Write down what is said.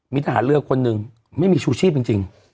มิตรหารเลือกคนนึงไม่มีชูชีพจริง